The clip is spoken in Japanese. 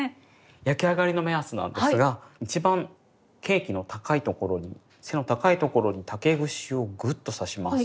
焼き上がりの目安なんですが一番ケーキの高いところに背の高いところに竹串をグッと刺します。